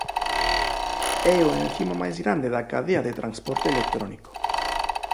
É o encima máis grande da cadea de transporte electrónico.